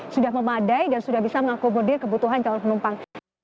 sudah memadai dan sudah bisa mengakomodir kebutuhan calon penumpang